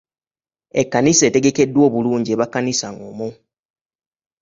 Ekkanisa etegekeddwa obulungi eba kkanisa ngumu.